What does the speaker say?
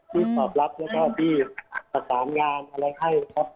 ที่ตอบรับแล้วก็ที่ประสานงานอะไรให้นะครับ